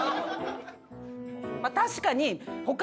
まあ確かに。